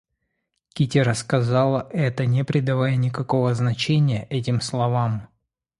Кити рассказала это, не придавая никакого значения этим словам.